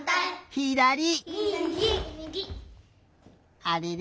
ひだり！